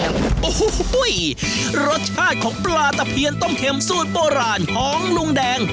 โอ้โหรสชาติของปลาตะเพียนต้มเข็มสูตรโบราณของลุงแดง